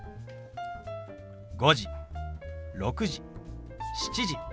「５時」「６時」「７時」。